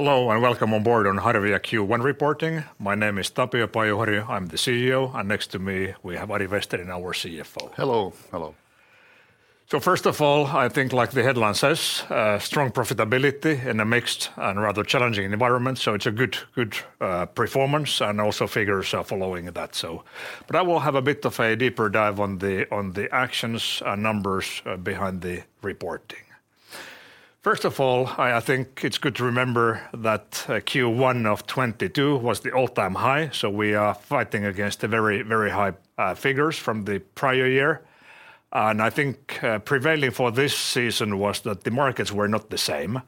Hello and welcome on board on Harvia Q1 reporting. My name is Tapio Pajuharju, I'm the CEO, and next to me we have Ari Vesterinen, our CFO. Hello. Hello. First of all, I think like the headline says, strong profitability in a mixed and rather challenging environment. It's a good performance and also figures are following that. I will have a bit of a deeper dive on the actions and numbers behind the reporting. First of all, I think it's good to remember that Q1 of 2022 was the all-time high, so we are fighting against a very high figures from the prior year. I think prevailing for this season was that the markets were not the same.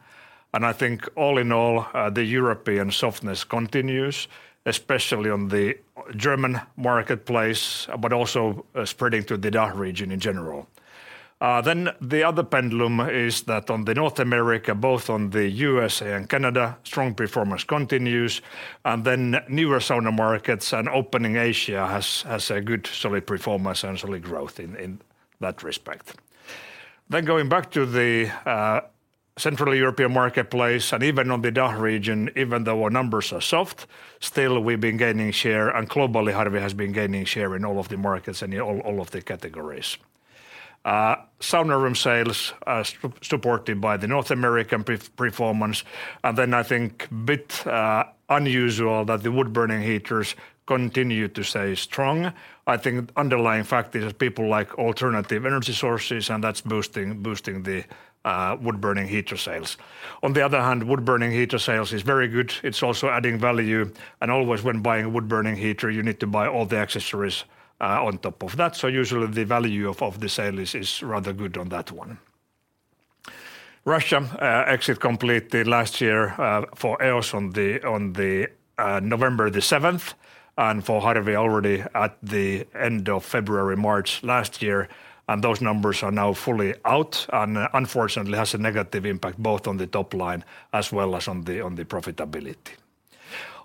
I think all in all, the European softness continues, especially on the German marketplace, but also spreading to the DACH region in general. The other pendulum is that on the North America, both on the U.S.A. and Canada, strong performance continues. Newer sauna markets and opening Asia has a good solid performance and solid growth in that respect. Going back to the Central European marketplace, and even on the DACH region, even though our numbers are soft, still we've been gaining share, and globally, Harvia has been gaining share in all of the markets and in all of the categories. Sauna room sales are supported by the North American performance. I think bit unusual that the wood-burning heaters continue to stay strong. I think underlying fact is that people like alternative energy sources, and that's boosting the wood-burning heater sales. On the other hand, wood-burning heater sales is very good. It's also adding value. Always when buying a wood-burning heater, you need to buy all the accessories on top of that. Usually the value of the sale is rather good on that one. Russia exit complete last year for EOS on the November the 7th, and for Harvia already at the end of February, March last year. Those numbers are now fully out, and unfortunately has a negative impact both on the top line as well as on the profitability.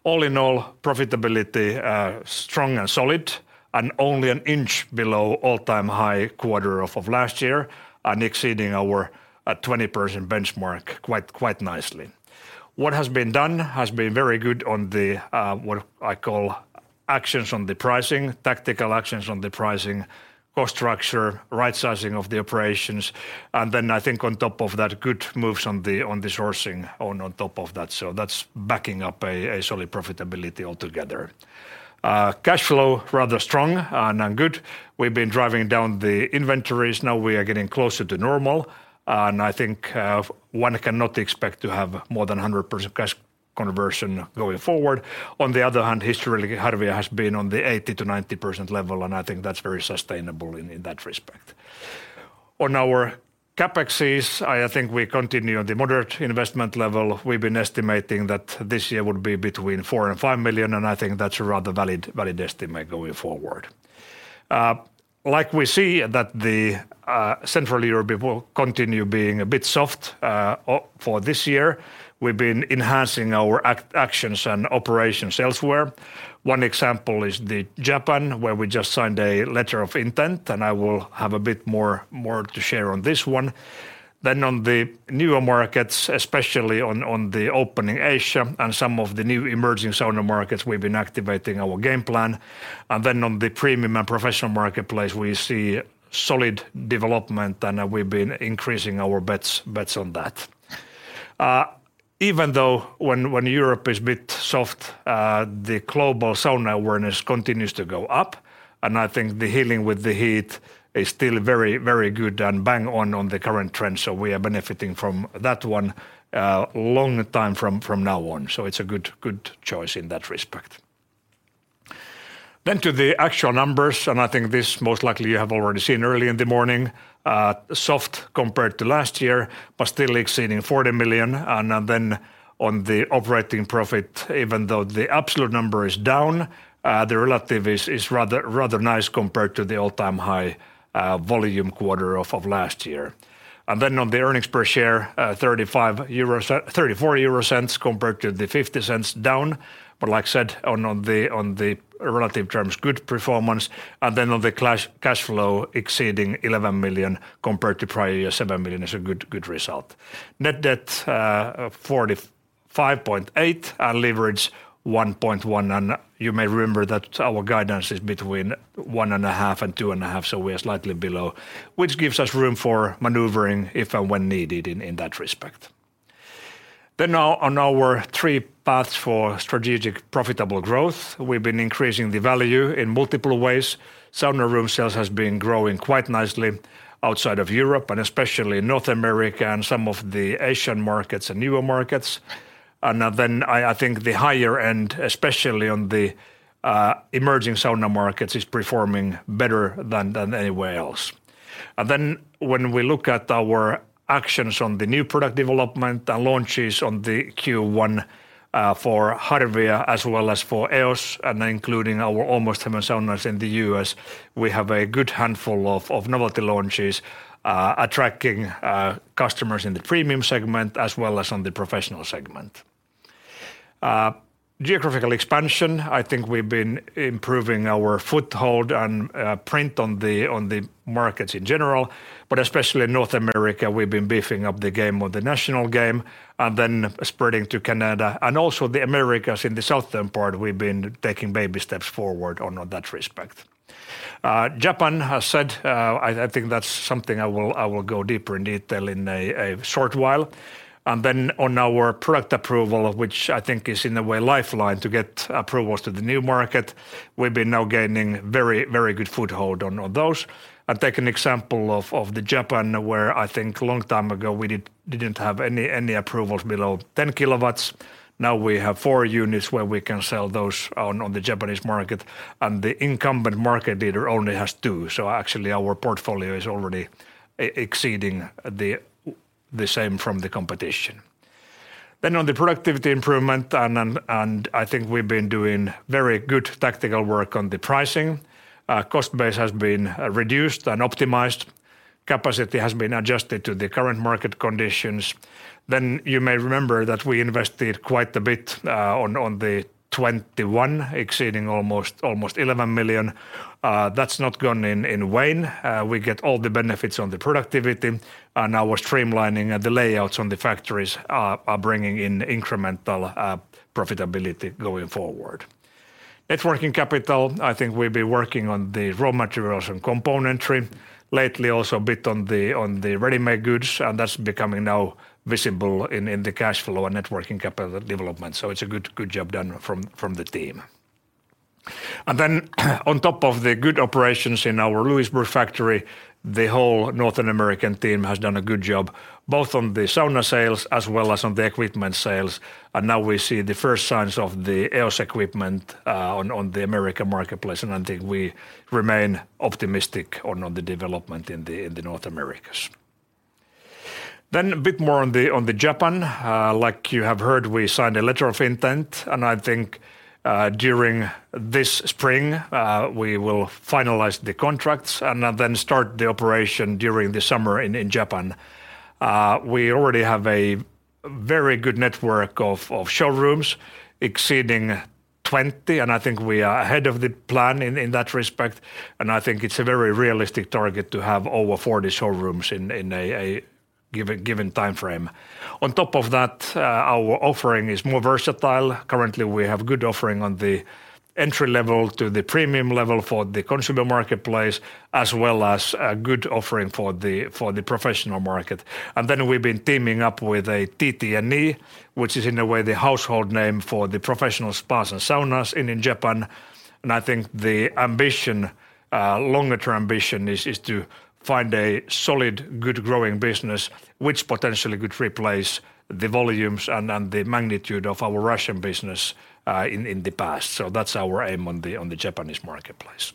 All in all, profitability strong and solid, and only an inch below all-time high quarter of last year, and exceeding our 20% benchmark quite nicely. What has been done has been very good on the what I call actions on the pricing, tactical actions on the pricing, cost structure, right sizing of the operations, and then I think on top of that, good moves on the sourcing on top of that. That's backing up a solid profitability altogether. Cash flow rather strong and good. We've been driving down the inventories. Now we are getting closer to normal, and I think one cannot expect to have more than a 100% cash conversion going forward. On the other hand, historically, Harvia has been on the 80%-90% level, and I think that's very sustainable in that respect. On our CapEx, I think we continue on the moderate investment level. We've been estimating that this year would be between 4 and 5 million. I think that's a rather valid estimate going forward. Like we see that Central Europe will continue being a bit soft for this year. We've been enhancing our actions and operations elsewhere. One example is Japan, where we just signed a letter of intent. I will have a bit more to share on this one. On the newer markets, especially on the opening Asia and some of the new emerging sauna markets, we've been activating our game plan. On the premium and professional marketplace, we see solid development, and we've been increasing our bets on that. Even though when Europe is bit soft, the global sauna awareness continues to go up, and I think the healing with the heat is still very good and bang on the current trend. We are benefiting from that one, long time from now on. It's a good choice in that respect. To the actual numbers, and I think this most likely you have already seen early in the morning. Soft compared to last year, but still exceeding 40 million. On the operating profit, even though the absolute number is down, the relative is rather nice compared to the all-time high volume quarter of last year. On the earnings per share, 0.34 compared to the 0.50 down. Like I said, on the relative terms, good performance. On the cash flow exceeding 11 million compared to prior year 7 million is a good result. Net debt 45.8, and leverage 1.1. You may remember that our guidance is between 1.5 and 2.5, so we are slightly below, which gives us room for maneuvering if and when needed in that respect. Now on our three paths for strategic profitable growth. We've been increasing the value in multiple ways. Sauna room sales has been growing quite nicely outside of Europe, and especially North America and some of the Asian markets and newer markets. I think the higher end, especially on the emerging sauna markets, is performing better than anywhere else. When we look at our actions on the new product development and launches on the Q1 for Harvia as well as for EOS, and including our Almost Heaven Saunas in the US, we have a good handful of novelty launches attracting customers in the premium segment as well as on the professional segment. Geographical expansion, I think we've been improving our foothold and print on the markets in general, but especially in North America, we've been beefing up the game or the national game, and then spreading to Canada. The Americas in the southern part, we've been taking baby steps forward on that respect. Japan has said, I think that's something I will go deeper in detail in a short while. On our product approval, which I think is, in a way, lifeline to get approvals to the new market, we've been now gaining very good foothold on those. I take an example of the Japan where I think long time ago we didn't have any approvals below 10 kilowatts. Now we have four units where we can sell those on the Japanese market, and the incumbent market leader only has two. Our portfolio is already exceeding the same from the competition. On the productivity improvement, and I think we've been doing very good tactical work on the pricing. Cost base has been reduced and optimized. Capacity has been adjusted to the current market conditions. You may remember that we invested quite a bit on the 2021, exceeding almost 11 million. That's not gone in vain. We get all the benefits on the productivity, and our streamlining and the layouts on the factories are bringing in incremental profitability going forward. Net working capital, I think we've been working on the raw materials and componentry. Lately, also a bit on the readymade goods, and that's becoming now visible in the cash flow and net working capital development, so it's a good job done from the team. On top of the good operations in our Lewisburg factory, the whole Northern American team has done a good job, both on the sauna sales as well as on the equipment sales. Now we see the first signs of the EOS equipment on the American marketplace, and I think we remain optimistic on the development in the North Americas. A bit more on the Japan. Like you have heard, we signed a letter of intent, and I think during this spring, we will finalize the contracts and then start the operation during the summer in Japan. We already have a very good network of showrooms exceeding 20, and I think we are ahead of the plan in that respect, and I think it's a very realistic target to have over 40 showrooms in a given timeframe. On top of that, our offering is more versatile. Currently, we have good offering on the entry level to the premium level for the consumer marketplace, as well as a good offering for the professional market. Then we've been teaming up with a TTNE, which is in a way the household name for the professional spas and saunas in Japan. I think the ambition, longer-term ambition is to find a solid, good growing business which potentially could replace the volumes and the magnitude of our Russian business in the past. That's our aim on the Japanese marketplace.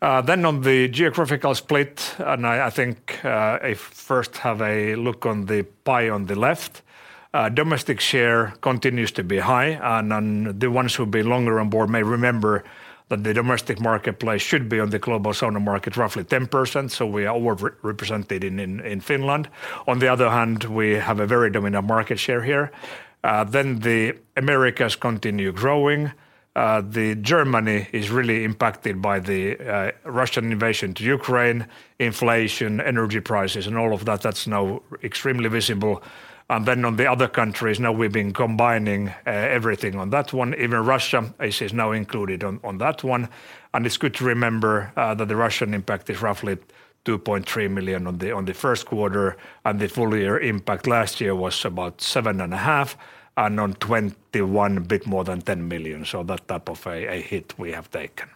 Then on the geographical split, I think, if first have a look on the pie on the left, domestic share continues to be high, and the ones who've been longer on board may remember that the domestic marketplace should be on the global sauna market roughly 10%, so we are overrepresented in Finland. On the other hand, we have a very dominant market share here. The Americas continue growing. Germany is really impacted by the Russian invasion to Ukraine, inflation, energy prices and all of that. That's now extremely visible. On the other countries, now we've been combining everything on that one. Even Russia is now included on that one. It's good to remember that the Russian impact is roughly 2.3 million on the first quarter, and the full year impact last year was about 7.5 million, and on 2021, a bit more than 10 million. That type of a hit we have taken.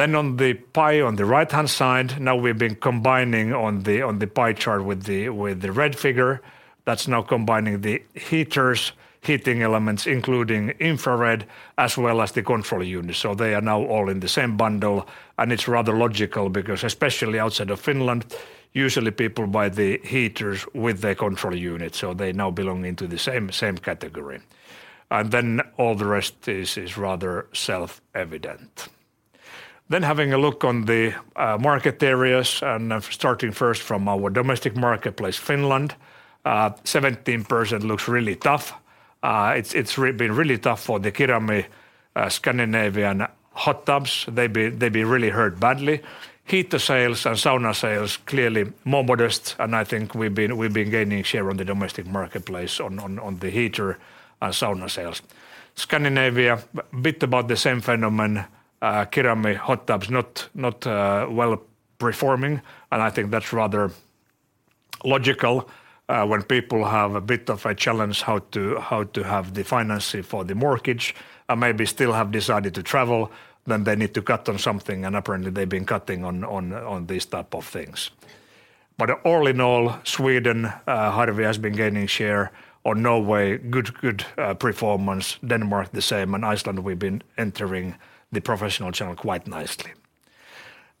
On the pie on the right-hand side, now we've been combining on the pie chart with the red figure. That's now combining the heaters, heating elements, including infrared, as well as the control unit. They are now all in the same bundle, and it's rather logical because especially outside of Finland, usually people buy the heaters with the control unit, so they now belong into the same category. All the rest is rather self-evident. Having a look on the market areas, and starting first from our domestic marketplace, Finland, 17% looks really tough. It's been really tough for the Kirami Scandinavian hot tubs. They've been really hurt badly. Heater sales and sauna sales clearly more modest, and I think we've been gaining share on the domestic marketplace on the heater and sauna sales. Scandinavia, bit about the same phenomenon. Kirami hot tubs not well performing, and I think that's rather logical, when people have a bit of a challenge how to have the financing for the mortgage, and maybe still have decided to travel,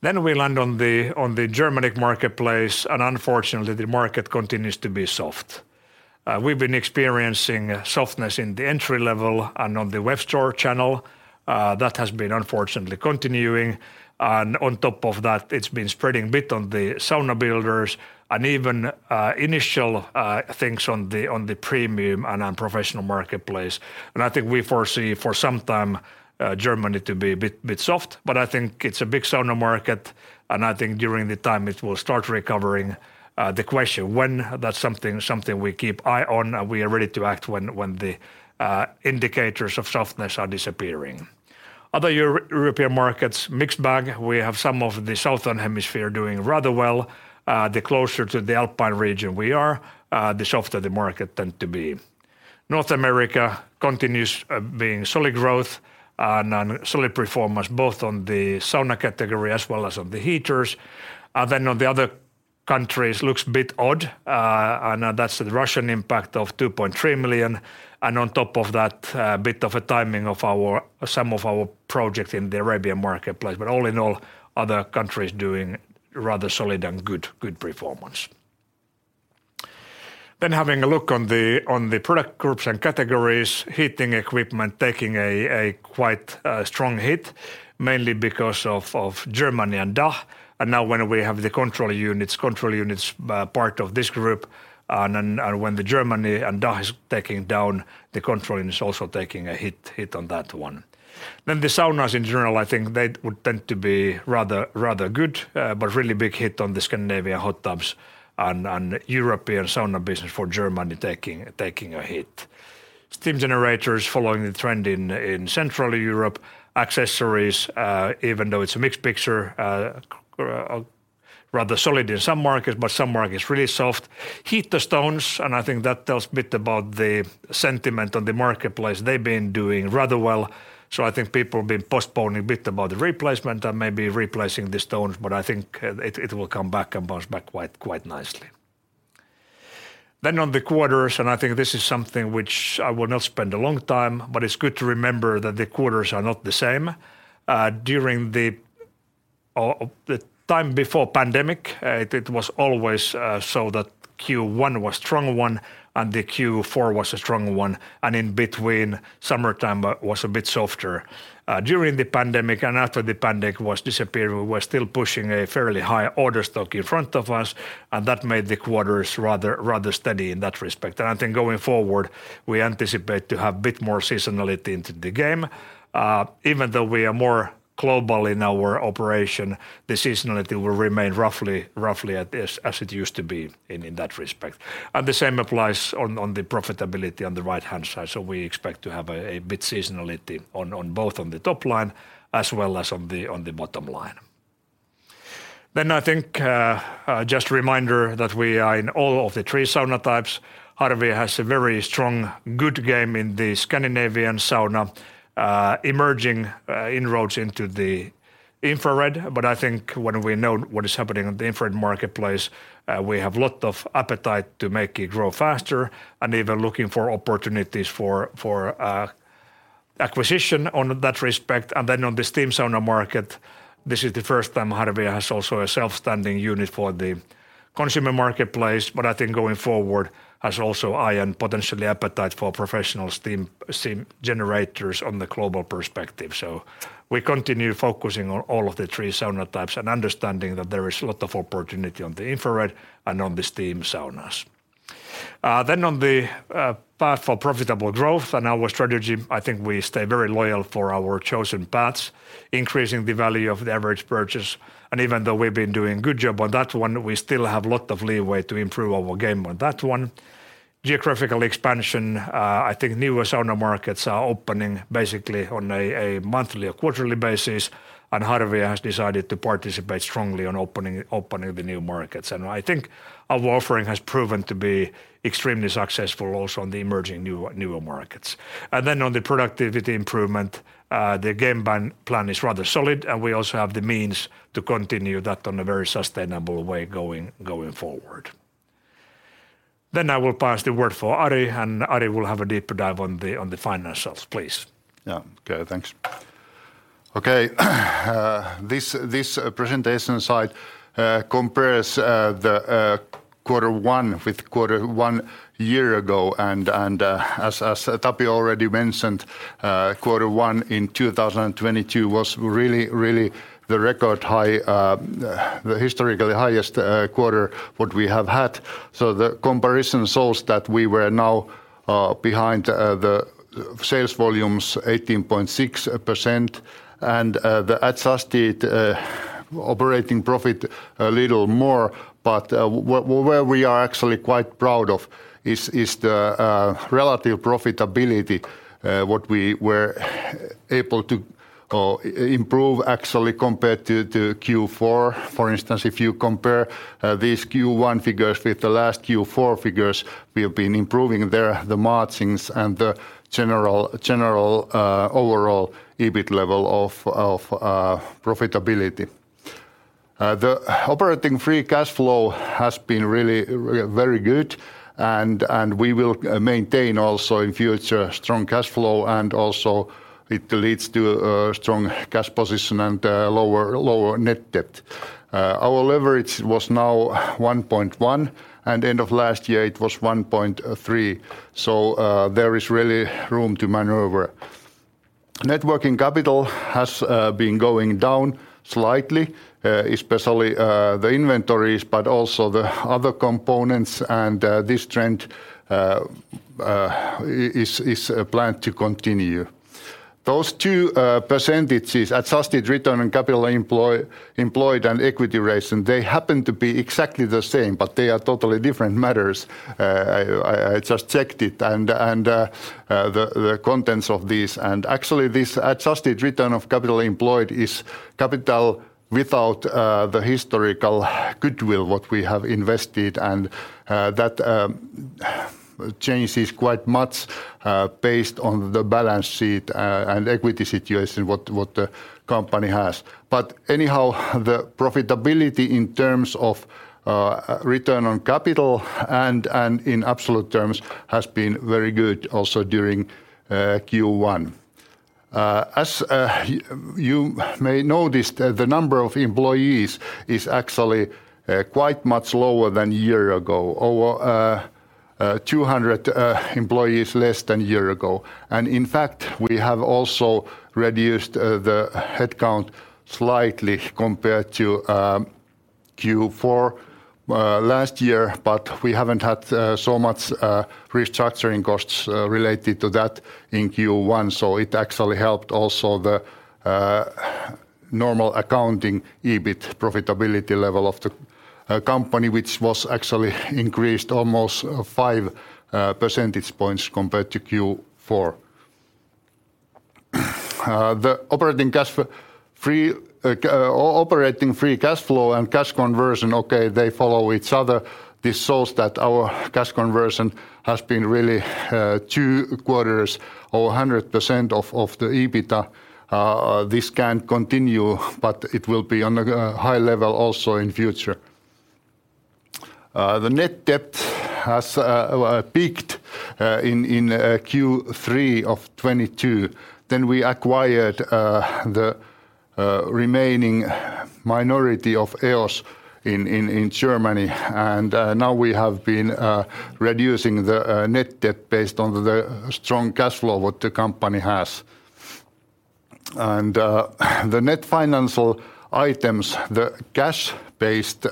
then they need to cut on something, and apparently they've been cutting on these type of things. All in all, Sweden, Harvia has been gaining share. On Norway, good performance. Denmark the same. Iceland we've been entering the professional channel quite nicely. We land on the Germanic marketplace, unfortunately, the market continues to be soft. We've been experiencing softness in the entry level and on the web store channel, that has been unfortunately continuing. On top of that, it's been spreading a bit on the sauna builders and even initial things on the premium and on professional marketplace. I think we foresee for some time Germany to be a bit soft. I think it's a big sauna market, and I think and European sauna business for Germany taking a hit. Steam generators following the trend in Central Europe. Accessories, even though it's a mixed picture, rather solid in some markets, but some markets really soft. Heater stones, and I think that tells a bit about the sentiment on the marketplace. They've been doing rather well, so I think people have been postponing a bit about the replacement and maybe replacing the stones, but I think it will come back and bounce back quite nicely. On the quarters, and I think this is something which I will not spend a long time, but it's good to remember that the quarters are not the same. During the time before pandemic, it was always so that Q1 was strong one, and the Q4 was a strong one, and in between, summertime was a bit softer. During the pandemic and after the pandemic was disappeared, we were still pushing a fairly high order stock in front of us, and that made the quarters rather steady in that respect. I think going forward, we anticipate to have a bit more seasonality into the game. Even though we are more global in our operation, the seasonality will remain roughly at this as it used to be in that respect. The same applies on the profitability on the right-hand side. We expect to have a bit seasonality on both on the top line as well as on the bottom line. I think, just a reminder that we are in all of the three sauna types. Harvia has a very strong, good game in the Scandinavian sauna, emerging inroads into the infrared. I think when we know what is happening on the infrared marketplace, we have lot of appetite to make it grow faster and even looking for opportunities for acquisition on that respect. On the steam sauna market, this is the first time Harvia has also a self-standing unit for the consumer marketplace, but I think going forward has also eye and potentially appetite for professional steam generators on the global perspective. We continue focusing on all of the three sauna types and understanding that there is a lot of opportunity on the infrared and on the steam saunas. Then on the path for profitable growth and our strategy, I think we stay very loyal for our chosen paths, increasing the value of the average purchase. Even though we've been doing good job on that one, we still have lot of leeway to improve our game on that one. Geographical expansion, I think newer sauna markets are opening basically on a monthly or quarterly basis, and Harvia has decided to participate strongly on opening the new markets. I think our offering has proven to be extremely successful also on the emerging new, newer markets. Then on the productivity improvement, the game plan is rather solid, and we also have the means to continue that on a very sustainable way going forward. I will pass the word for Ari, and Ari will have a deeper dive on the, on the financials, please. Yeah. Okay, thanks. Okay. This presentation slide compares the quarter one with quarter one year ago. As Tapio Pajuharju already mentioned, quarter one in 2022 was really the record high, the historically highest quarter what we have had. The comparison shows that we were now behind the sales volumes 18.6% and the adjusted operating profit a little more. Where we are actually quite proud of is the relative profitability what we were able to improve actually compared to Q4. For instance, if you compare these Q1 figures with the last Q4 figures, we have been improving there the margins and the general overall EBIT level of profitability. The operating free cash flow has been really very good and we will maintain also in future strong cash flow and also it leads to a strong cash position and net debt. Our leverage was now 1.1, and end of last year it was 1.3, there is really room to maneuver. Net working capital has been going down slightly, especially the inventories, but also the other components and this trend is planned to continue. Those two percentages, adjusted return on capital employed and equity ratio, they happen to be exactly the same, but they are totally different matters. I just checked it and the contents of this and actually this adjusted return on capital employed is capital without the historical goodwill what we have invested and that changes quite much based on the balance sheet and equity situation what the company has. Anyhow, the profitability in terms of return on capital and in absolute terms has been very good also during Q1. As you may noticed, the number of employees is actually quite much lower than year ago, over 200 employees less than year ago. In fact, we have also reduced the headcount slightly compared to Q4 last year. We haven't had so much restructuring costs related to that in Q1, so it actually helped also the normal accounting EBIT profitability level of the company, which was actually increased almost five percentage points compared to Q4. The operating free cash flow and cash conversion, okay, they follow each other. This shows that our cash conversion has been really two quarters over 100% of the EBITA. This can't continue, but it will be on a high level also in future. The net debt has peaked in Q3 of 2022. We acquired the remaining minority of EOS in Germany. Now we have been reducing the net debt based on the strong cash flow what the company has. The net financial items, the cash-based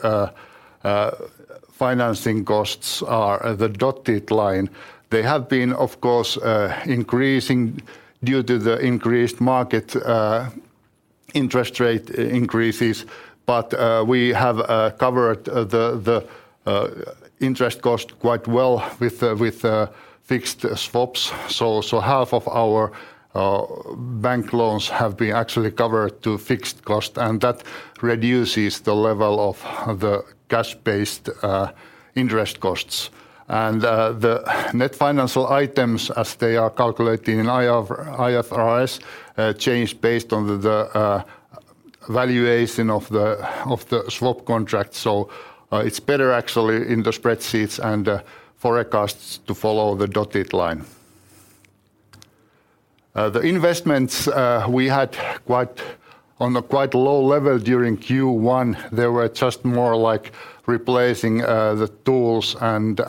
financing costs are the dotted line. They have been, of course, increasing due to the increased market interest rate increases, but we have covered the interest cost quite well with fixed swaps. So half of our bank loans have been actually covered to fixed cost, and that reduces the level of the cash-based interest costs. The net financial items as they are calculating in IFRS change based on the valuation of the swap contract. It's better actually in the spreadsheets and forecasts to follow the dotted line. The investments, we had on a quite low level during Q1, they were just more like replacing the tools and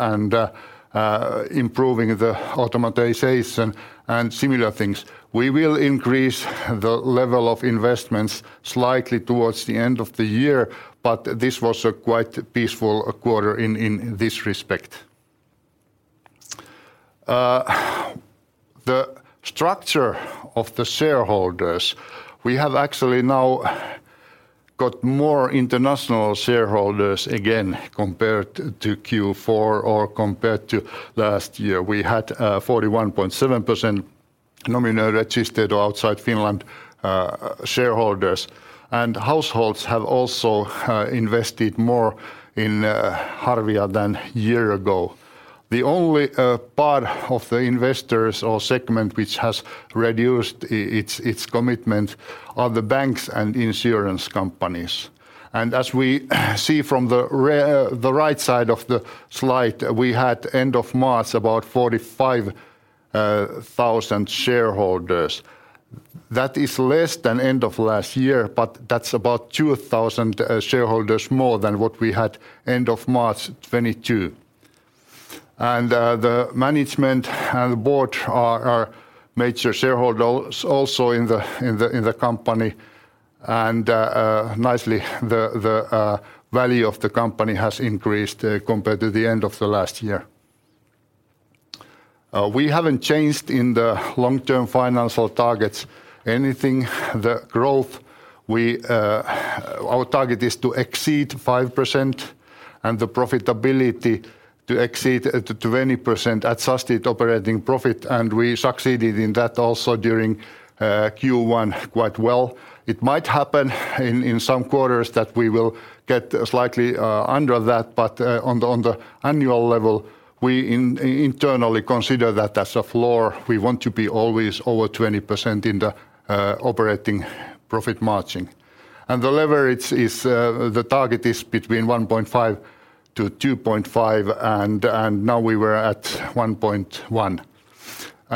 improving the automation and similar things. We will increase the level of investments slightly towards the end of the year, but this was a quite peaceful quarter in this respect. The structure of the shareholders, we have actually now got more international shareholders again compared to Q4 or compared to last year. We had 41.7% nominal registered outside Finland, shareholders. Households have also invested more in Harvia than year ago. The only part of the investors or segment which has reduced its commitment are the banks and insurance companies. As we see from the right side of the slide, we had end of March about 45 thousand shareholders. That is less than end of last year, but that's about 2 thousand shareholders more than what we had end of March 2022. The management and board are major shareholders also in the company. Nicely, the value of the company has increased compared to the end of the last year. We haven't changed in the long-term financial targets anything. The growth, we... Our target is to exceed 5% and the profitability to exceed 20% adjusted operating profit, and we succeeded in that also during Q1 quite well. It might happen in some quarters that we will get slightly under that, but on the annual level, we internally consider that as a floor. We want to be always over 20% in the operating profit margin. The leverage is the target is between 1.5-2.5, and now we were at 1.1.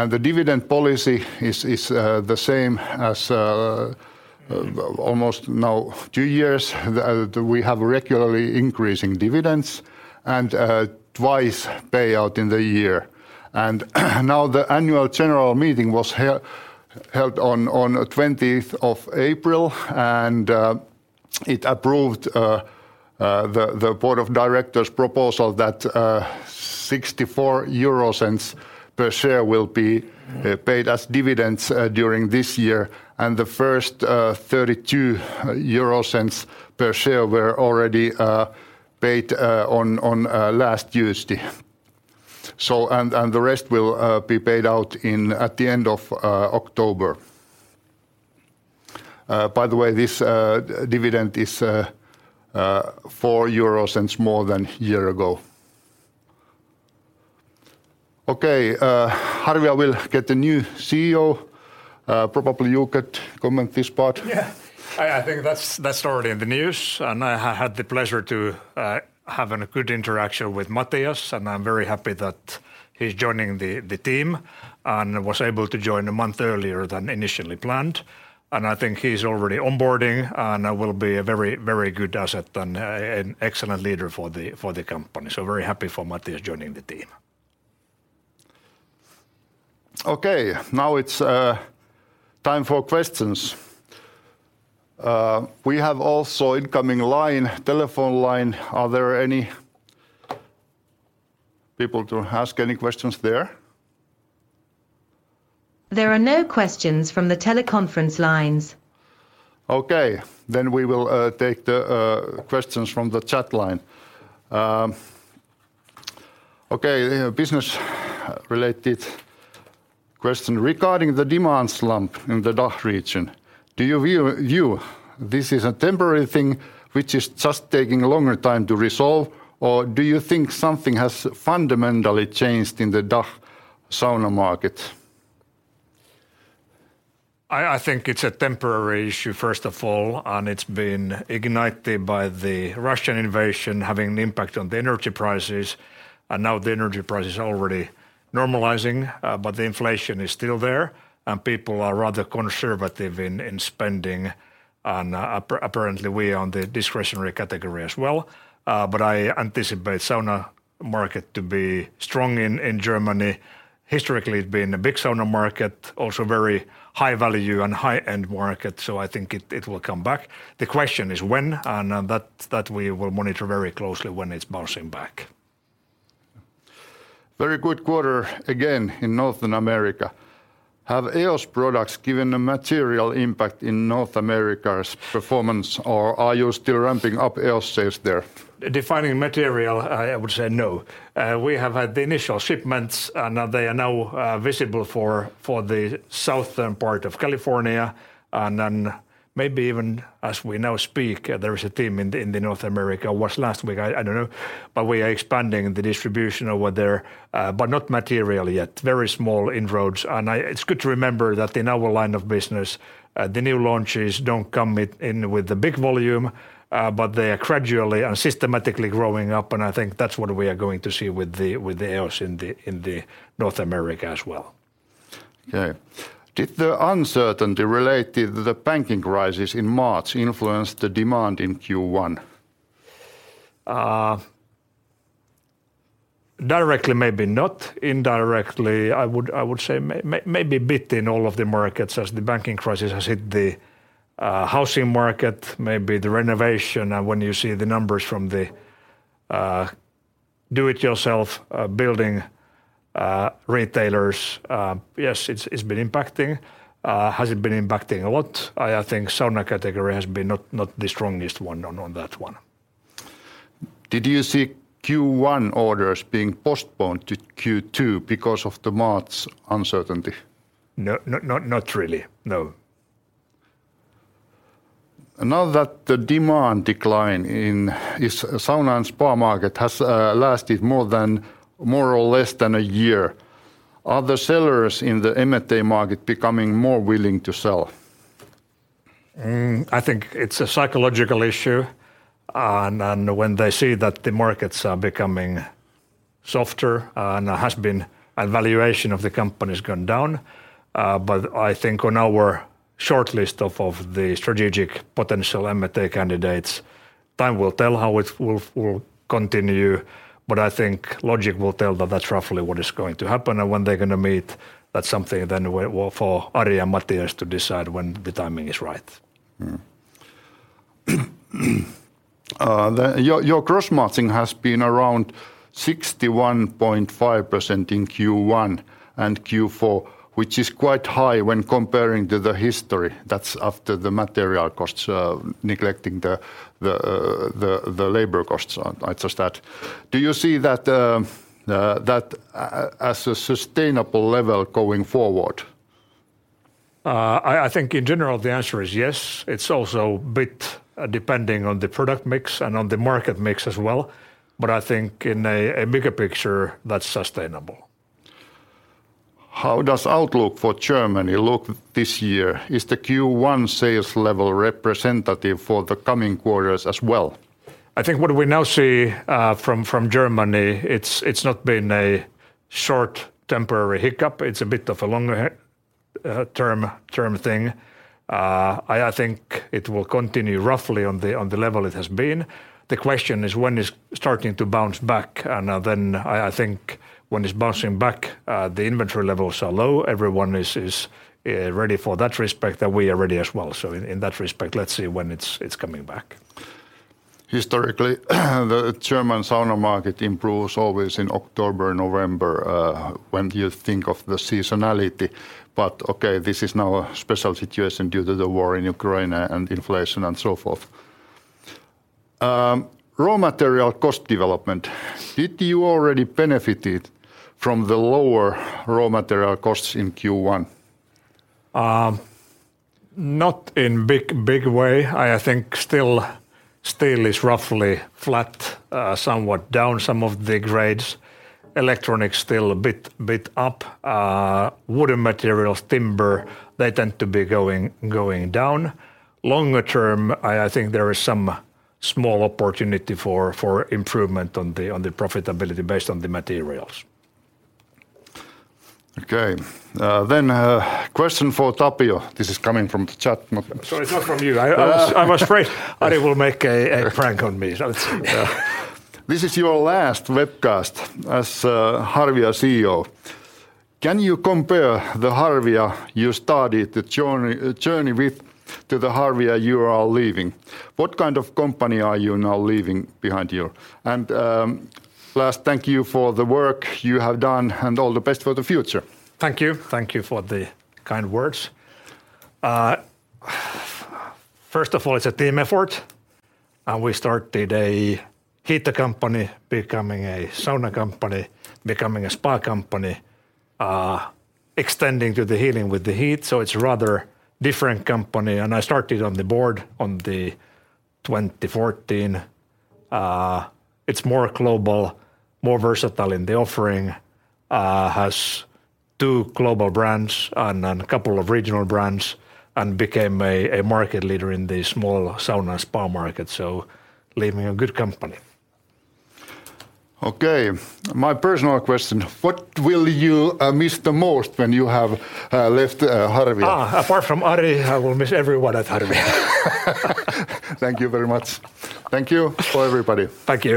The dividend policy is the same as almost now 2 years. We have regularly increasing dividends and twice payout in the year. Now the annual general meeting was held on 20th of April, and it approved the board of directors' proposal that 0.64 per share will be paid as dividends during this year. The first 0.32 per share were already paid on last year's div. The rest will be paid out at the end of October. By the way, this dividend is 0.04 euros more than year ago. Harvia will get a new CEO. Probably you could comment this part. I think that's already in the news. I had the pleasure to have a good interaction with Matias. I'm very happy that he's joining the team and was able to join a month earlier than initially planned. I think he's already onboarding and will be a very good asset and an excellent leader for the company. Very happy for Matias joining the team. Okay, now it's time for questions. We have also incoming line, telephone line. Are there any people to ask any questions there? There are no questions from the teleconference lines. We will take the questions from the chat line. A business related question. Regarding the demand slump in the DACH region, do you view this is a temporary thing which is just taking a longer time to resolve or do you think something has fundamentally changed in the DACH sauna market? I think it's a temporary issue first of all. It's been ignited by the Russian invasion having an impact on the energy prices. Now the energy price is already normalizing, but the inflation is still there, and people are rather conservative in spending. Apparently we are on the discretionary category as well. I anticipate sauna market to be strong in Germany. Historically it's been a big sauna market, also very high value and high-end market, so I think it will come back. The question is when, and that we will monitor very closely when it's bouncing back. Very good quarter again in North America. Have EOS products given a material impact in North America's performance, or are you still ramping up EOS sales there? Defining material, I would say no. We have had the initial shipments and they are now visible for the southern part of California and then maybe even as we now speak, there is a team in the North America, was last week, I don't know, but we are expanding the distribution over there, but not material yet. Very small inroads. It's good to remember that in our line of business, the new launches don't come in with the big volume, but they are gradually and systematically growing up, and I think that's what we are going to see with the EOS in the North America as well. Okay. Did the uncertainty related to the banking crisis in March influence the demand in Q1? Directly maybe not. Indirectly, I would say maybe a bit in all of the markets as the banking crisis has hit the housing market, maybe the renovation. When you see the numbers from the do it yourself building retailers, yes, it's been impacting. Has it been impacting a lot? I think sauna category has been not the strongest one on that one. Did you see Q1 orders being postponed to Q2 because of the March uncertainty? No. Not, not really, no. Now that the demand decline in, is sauna and spa market has lasted more or less than a year, are the sellers in the M&A market becoming more willing to sell? I think it's a psychological issue and when they see that the markets are becoming softer and has been a valuation of the company's gone down, I think on our shortlist of the strategic potential M&A candidates, time will tell how it will continue. I think logic will tell that that's roughly what is going to happen, and when they're gonna meet, that's something then for Ari and Matias to decide when the timing is right. Your gross margin has been around 61.5% in Q1 and Q4, which is quite high when comparing to the history. That's after the material costs, neglecting the labor costs on it as that. Do you see that as a sustainable level going forward? I think in general, the answer is yes. It's also bit depending on the product mix and on the market mix as well, but I think in a bigger picture, that's sustainable. How does outlook for Germany look this year? Is the Q1 sales level representative for the coming quarters as well? I think what we now see, from Germany, it's not been a short temporary hiccup. It's a bit of a longer term thing. I think it will continue roughly on the level it has been. The question is when it's starting to bounce back. Then I think when it's bouncing back, the inventory levels are low. Everyone is ready for that respect, and we are ready as well. In that respect, let's see when it's coming back. Historically, the German sauna market improves always in October, November, when you think of the seasonality, but okay, this is now a special situation due to the war in Ukraine and inflation and so forth. Raw material cost development. Did you already benefited from the lower raw material costs in Q1? Not in big way. I think still steel is roughly flat, somewhat down some of the grades. Electronics still a bit up. Wooden materials, timber, they tend to be going down. Longer term, I think there is some small opportunity for improvement on the profitability based on the materials. Okay. Question for Tapio. This is coming from the chat. Sorry, it's not from you. I was afraid Ari will make a prank on me, so. This is your last webcast as Harvia CEO. Can you compare the Harvia you started the journey with to the Harvia you are leaving? What kind of company are you now leaving behind you? Last, thank you for the work you have done, and all the best for the future. Thank you. Thank you for the kind words. First of all, it's a team effort. We started a heater company becoming a sauna company, becoming a spa company, extending to the healing with the heat, so it's rather different company. I started on the board on the 2014. It's more global, more versatile in the offering, has two global brands and then a couple of regional brands. Became a market leader in the small sauna and spa market, so leaving a good company. Okay. My personal question: What will you miss the most when you have left Harvia? Apart from Ari, I will miss everyone at Harvia. Thank you very much. Thank you for everybody. Thank you.